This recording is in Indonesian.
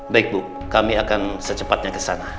baik bu kami akan secepatnya ke sana